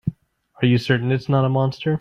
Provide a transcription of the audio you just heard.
Are you certain it's not a monster?